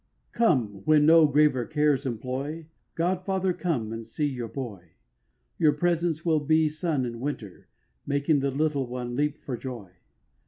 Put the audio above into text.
Come, when no graver cares employ, God father, come and see your boy: Your presence will be sun in winter, Making the little one leap for joy.